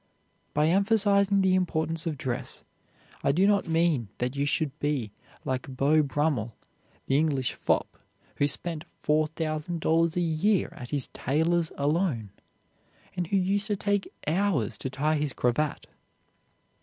By emphasizing the importance of dress I do not mean that you should be like Beau Brummel, the English fop, who spent four thousand dollars a year at his tailor's alone, and who used to take hours to tie his cravat.